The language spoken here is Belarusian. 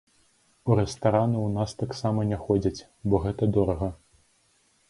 У рэстараны ў нас таксама не ходзяць, бо гэта дорага.